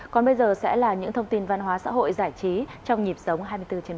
còn bây giờ sẽ là những thông tin văn hóa xã hội giải trí trong nhịp sống hai mươi bốn trên bảy